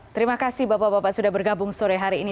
terima kasih bapak bapak sudah bergabung sore hari ini